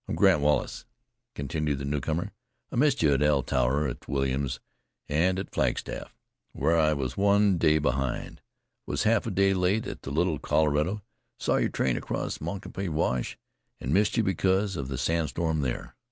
"I'm Grant Wallace," continued the newcomer. "I missed you at the El Tovar, at Williams and at Flagstaff, where I was one day behind. Was half a day late at the Little Colorado, saw your train cross Moncaupie Wash, and missed you because of the sandstorm there.